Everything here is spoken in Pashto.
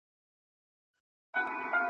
زه یې وینم دوی لګیا دي په دامونو ,